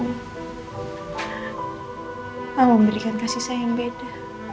mama memberikan kasih sayang beda